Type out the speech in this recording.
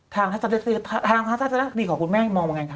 ทางท่านสำเร็จสิจอยู่ทางท่านสำเร็จสิจของคุณแม่มองวังไงคะ